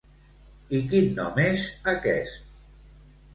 I quin nom és aquest?